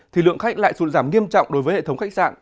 thì lượng khách lại sụt giảm nghiêm trọng đối với hệ thống khách sạn